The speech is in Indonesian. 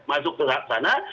masuk ke sana